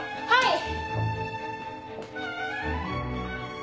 はい！